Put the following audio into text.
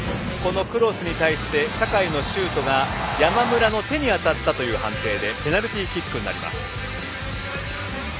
クロスに対して酒井のシュートが山村の手に当たったという判定でペナルティーキックになります。